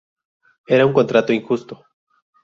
Era un contrato injusto.